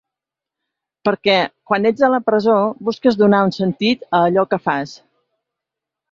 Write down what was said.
Perquè, quan ets a la presó, busques donar un sentit a allò que fas.